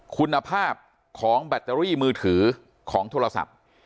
คุณภาพของแบตเตอรี่มือถือของโทรศัพท์